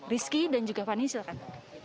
rizky dan juga fani silahkan